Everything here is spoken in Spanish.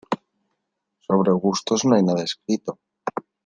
Sobre gustos no hay nada escrito.